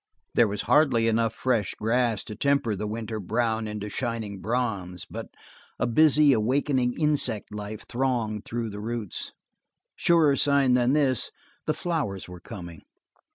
There was hardly enough fresh grass to temper the winter brown into shining bronze, but a busy, awakening insect life thronged through the roots. Surer sign than this, the flowers were coming.